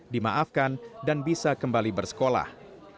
dimaafkan dan bisa kembali bersekolah